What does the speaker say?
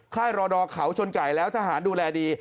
ค่ายรอดอเขาชนไก่แล้วทหารดูแลดี